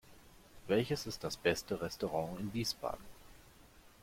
Welches ist das beste Restaurant in Wiesbaden?